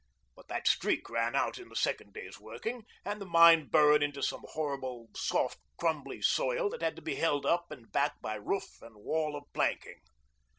But that streak ran out in the second day's working, and the mine burrowed into some horrible soft crumbly soil that had to be held up and back by roof and wall of planking.